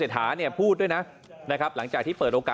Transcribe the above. ท่านสูงพอกันเลยนะ